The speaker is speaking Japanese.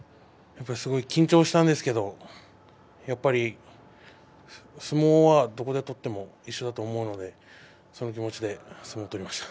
緊張したんですけど相撲はどこで取っても一緒だと思うのでその気持ちで相撲を取りました。